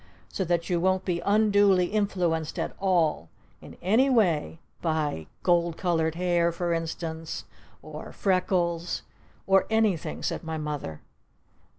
So that you won't be unduly influenced at all in any way by gold colored hair, for instance or freckles " "Or anything!" said my Mother.